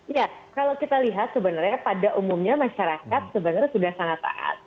ya kalau kita lihat sebenarnya pada umumnya masyarakat sebenarnya sudah sangat taat